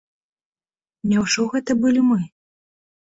Няўжо гэта былі мы?